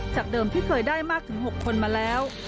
จากเดิมที่เคยได้มากถึง๖คนมาแล้ว